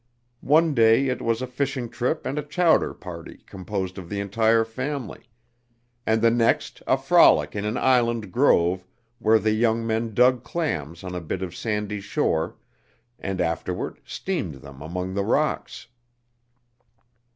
One day it was a fishing trip and a chowder party composed of the entire family; and the next a frolic in an island grove where the young men dug clams on a bit of sandy shore and afterward steamed them among the rocks.